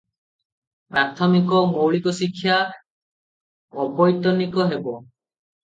ପ୍ରାଥମିକ ଓ ମୌଳିକ ଶିକ୍ଷା ଅବୈତନିକ ହେବ ।